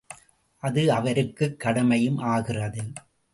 அது அவருக்குக் கடமையும் ஆகிறது.